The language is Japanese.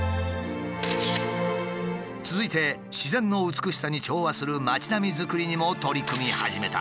続いて自然の美しさに調和する町並みづくりにも取り組み始めた。